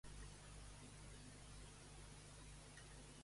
Qui creia qui enviava aquella embarcació?